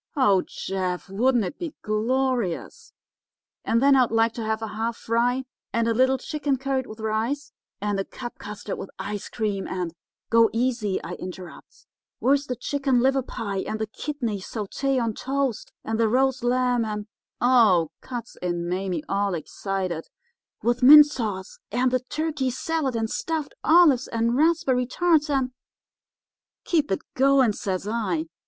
Oh, Jeff, wouldn't it be glorious! And then I'd like to have a half fry, and a little chicken curried with rice, and a cup custard with ice cream, and—' "'Go easy,' I interrupts; 'where's the chicken liver pie, and the kidney sauté on toast, and the roast lamb, and—' "'Oh,' cuts in Mame, all excited, 'with mint sauce, and the turkey salad, and stuffed olives, and raspberry tarts, and—' "'Keep it going,' says I.